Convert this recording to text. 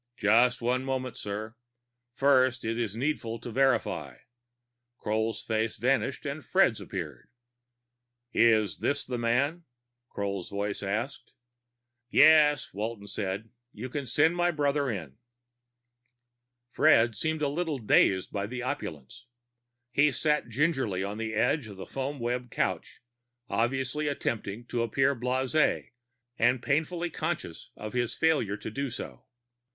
"Just one moment, sir. First it is needful to verify." Kroll's face vanished and Fred's appeared. "Is this the man?" Kroll's voice asked. "Yes," Walton said. "You can send my brother in." Fred seemed a little dazed by the opulence. He sat gingerly on the edge of the foamweb couch, obviously attempting to appear blasé and painfully conscious of his failure to do so.